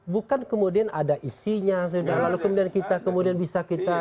bukan kemudian ada isinya kalau kemudian kita kemudian bisa kita